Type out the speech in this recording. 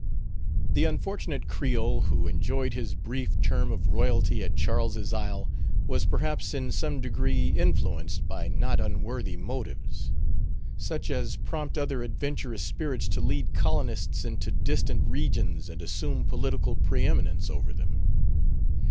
The unfortunate Creole, who enjoyed his brief term of royalty at Charles's Isle was perhaps in some degree influenced by not unworthy motives; such as prompt other adventurous spirits to lead colonists into distant regions and assume political preeminence over them.